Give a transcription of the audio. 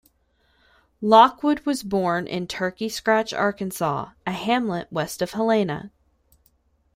Lockwood was born in Turkey Scratch, Arkansas, a hamlet west of Helena.